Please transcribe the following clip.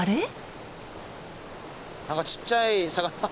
何かちっちゃい魚が。